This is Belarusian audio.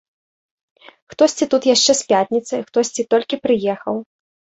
Хтосьці тут яшчэ з пятніцы, хтосьці толькі прыехаў.